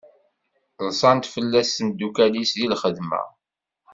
Ḍṣant fell-as temdukkal-is di lxedma.